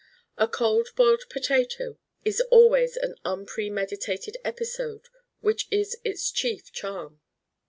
A Cold Boiled Potato is always an unpremeditated episode which is its chief charm.